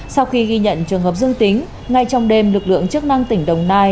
sau khi ghi nhận trường hợp dương tính ngay trong đêm lực lượng chức năng tỉnh đồng nai